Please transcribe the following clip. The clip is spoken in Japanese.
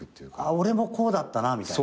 俺もこうだったなみたいな？